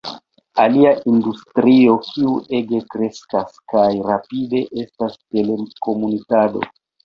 Alia industrio kiu ege kreskas kaj rapide estas telekomunikado.